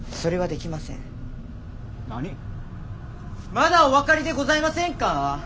まだお分かりでございませんか？